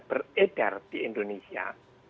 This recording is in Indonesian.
beredar di indonesia